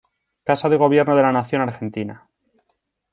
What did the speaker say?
Casa de Gobierno de la Nación Argentina.